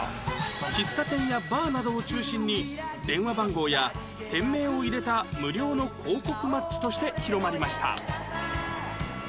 喫茶店やバーなどを中心に電話番号や店名を入れた無料の広告マッチとして広まりました